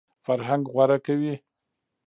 فرهنګ غوره کوي.